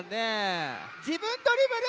じぶんドリブル！